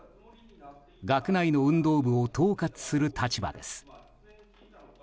学内の運動部を統括する立場です。